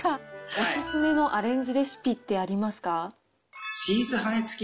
お勧めのアレンジレシピってありますか？